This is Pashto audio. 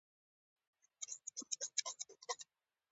په ټوله دونیا کښي د ولسي او غیر اولسي ادب فرق نه کېږي.